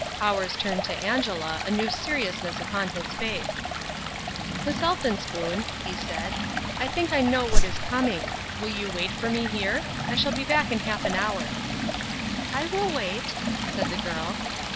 Powers turned to Angela, a new seriousness upon his face. "Miss Elphinspoon," he said, "I think I know what is coming. Will you wait for me here? I shall be back in half an hour." "I will wait," said the girl.